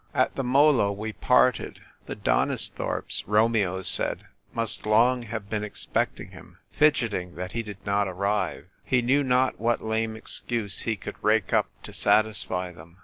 At the Molo we parted. The Donisthorpes, Romeo said, must long have been expecting him, fidgeting that he did not arrive ; he knew not what lame excuse he could rake up to satisfy them.